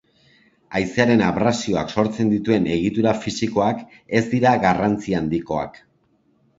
Haizearen abrasioak sortzen dituen egitura fisikoak ez dira garrantzi handikoak.